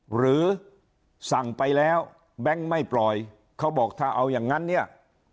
หรือสั่งไปแล้วแบงค์ไม่ปล่อยเขาบอกถ้าเอาอย่างนั้นเนี่ย